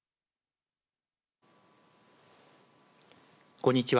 こんにちは。